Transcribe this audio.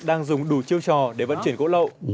đang dùng đủ chiêu trò để vận chuyển gỗ lậu